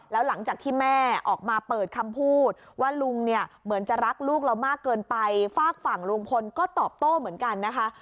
แล้วหลังจากที่แม่ออกมาเปิดคำพูดว่าลุงเนี่ยเหมือนจะรักลูกเรามากเกินไปฝากฝั่งลุงพลก็ตอบโต้เหมือนกันนะคะ